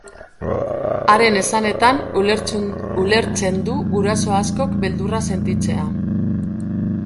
Haren esanetan, ulertzen du guraso askok beldurra sentitzea.